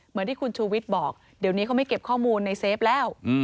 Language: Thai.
เหมือนที่คุณชูวิทย์บอกเดี๋ยวนี้เขาไม่เก็บข้อมูลในเฟฟแล้ว